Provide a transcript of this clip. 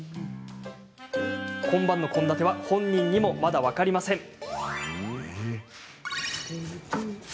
今晩の献立は本人にもまだ分かりません。